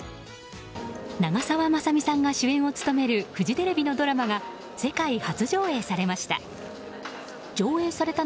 長澤まさみさんが主演を務めるフジテレビのドラマが世界初上映されました。